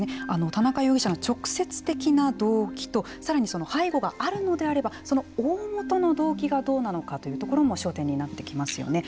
田中容疑者の直接的な動機とさらにその背後があるのであればその大もとの動機がどうなのかというところも焦点になってきますよね。